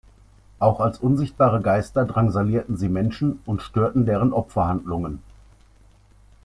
Auch als unsichtbare Geister drangsalieren sie Menschen und stören deren Opferhandlungen.